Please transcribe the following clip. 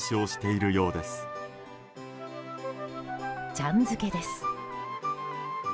ちゃん付けです。